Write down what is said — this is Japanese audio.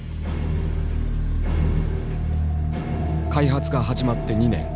開発が始まって２年。